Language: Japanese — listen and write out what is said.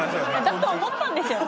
だと思ったんですよ。